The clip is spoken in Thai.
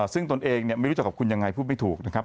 ซึ่งตนเองไม่รู้จักกับคุณยังไงพูดไม่ถูกนะครับ